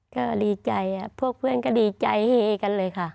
ก็ดีใจพวกเพื่อนก็ดีใจเฮกันเลยค่ะ